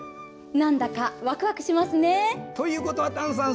なんだかワクワクしますね。ということは丹さん